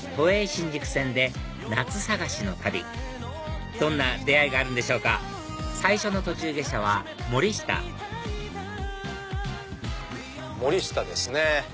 新宿線で夏探しの旅どんな出会いがあるんでしょうか最初の途中下車は森下森下ですね。